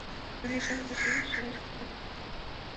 এখন এই শহরবাসী এবং বিশ্ববাসী তার আসল রূপটা দেখতে পেলো।